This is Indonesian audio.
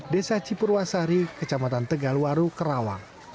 desa cipurwasari kecamatan tegalwaru kerawang